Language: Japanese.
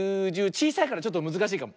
ちいさいからちょっとむずかしいかも。